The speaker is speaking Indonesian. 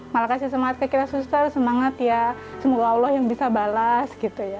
malah kasih semangat ke kiara suster semangat ya semoga allah yang bisa balas